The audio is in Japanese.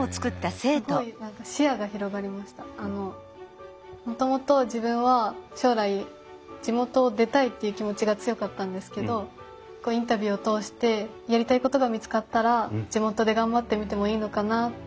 すごいあのもともと自分は将来地元を出たいっていう気持ちが強かったんですけどインタビューを通してやりたいことが見つかったら地元で頑張ってみてもいいのかなっていうふうに。